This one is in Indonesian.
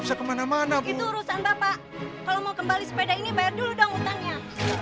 bisa kemana mana itu urusan bapak kalau mau kembali sepeda ini banyak dulu dongutannya